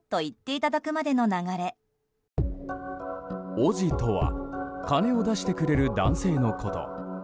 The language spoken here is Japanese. おぢとは金を出してくれる男性のこと。